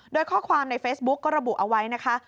โดยข้อความในเฟซบุ๊กก็ระบุเอาไว้นะคะ